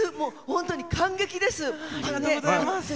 本当に感激です。